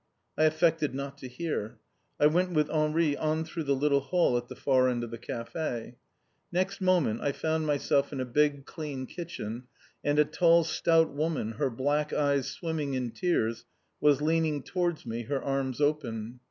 I affected not to hear. I went with Henri on through the little hall at the far end of the café. Next moment I found myself in a big, clean kitchen. And a tall stout woman, her black eyes swimming in tears, was leaning towards me, her arms open.